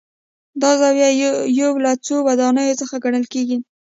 دا زاویه یو له څو ودانیو څخه ګڼل کېږي.